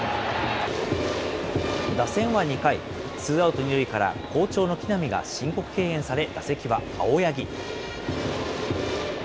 打線は２回、ツーアウト２塁から好調の木浪が申告敬遠され、打席は青柳。